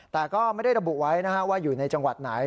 แต่ก็ไม่ได้ระบุไว้ว่าอยู่ในจังหวัดไหน